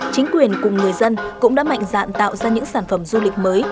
chính quyền cùng người dân cũng đã mạnh dạn tạo ra những sản phẩm du lịch mới